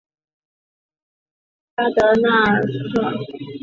巴尔德纳克。